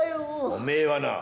「おめえはな